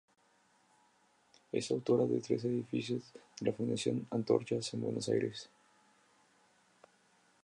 Es autora de los tres edificios de la Fundación Antorchas en Buenos Aires.